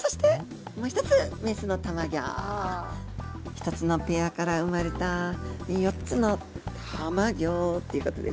１つのペアから産まれた４つの卵っていうことですね。